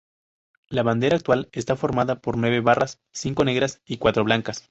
La bandera actual está formada por nueve barras: cinco negras y cuatro blancas.